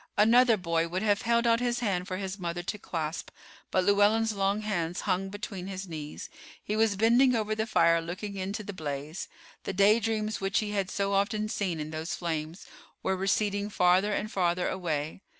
Another boy would have held out his hand for his mother to clasp, but Llewellyn's long hands hung between his knees. He was bending over the fire, looking into the blaze. The daydreams which he had so often seen in those flames were receding farther and farther away.